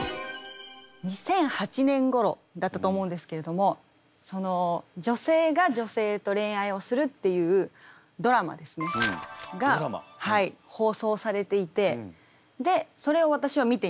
２００８年ごろだったと思うんですけれども女性が女性と恋愛をするっていうドラマが放送されていてそれを私は見ていました。